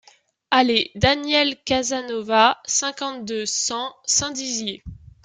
Allée Danielle Casanova, cinquante-deux, cent Saint-Dizier